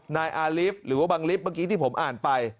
นายอาลิฟต์หรือว่าบังลิฟต์เมื่อกี้ที่ผมอ่านไป